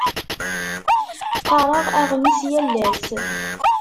Qqareɣ aɣmis yal ass.